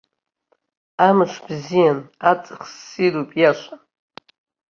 Амш бзиан, аҵх ссируп, иашан.